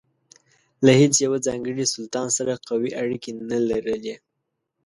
له هیڅ یوه ځانګړي سلطان سره قوي اړیکې نه لرلې.